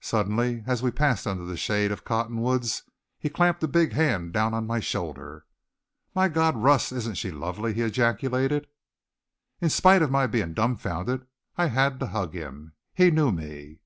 Suddenly, as we passed under the shade of cottonwoods, he clamped a big hand down on my shoulder. "My God, Russ, isn't she lovely!" he ejaculated. In spite of my being dumbfounded I had to hug him. He knew me!